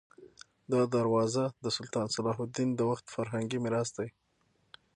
دا دروازه د سلطان صلاح الدین د وخت فرهنګي میراث دی.